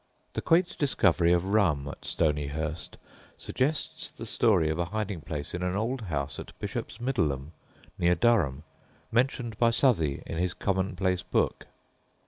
The quaint discovery of rum at Stonyhurst suggests the story of a hiding place in an old house at Bishops Middleham, near Durham, mentioned by Southey in his Commonplace Book.